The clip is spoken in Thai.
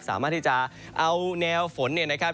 สามารถที่จะเอาแนวฝนเนี่ยนะครับ